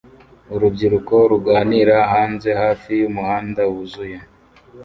Urubyiruko ruganira hanze hafi yumuhanda wuzuye